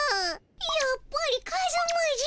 やっぱりカズマじゃ。